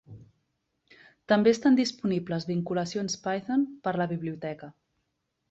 També estan disponibles vinculacions Python per a la biblioteca.